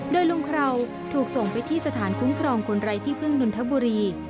โดยลุงเคราวถูกส่งไปที่สถานคุ้มครองคนไร้ที่พึ่งนนทบุรี